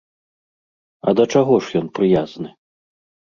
А да чаго ж ён прыязны?